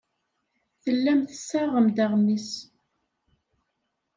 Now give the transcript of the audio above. Tellam tessaɣem-d aɣmis.